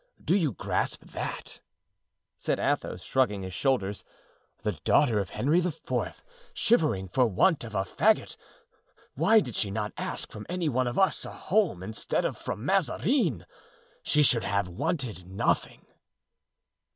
Do you grasp that?" said Athos, shrugging his shoulders; "the daughter of Henry IV. shivering for want of a fagot! Why did she not ask from any one of us a home instead of from Mazarin? She should have wanted nothing."